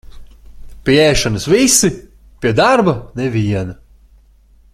Pie ēšanas visi, pie darba neviena.